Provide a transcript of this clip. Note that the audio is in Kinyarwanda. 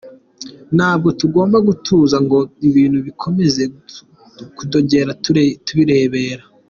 Ntabwo tugomba gutuza ngo ibintu bikomeze kudogera tubirebera.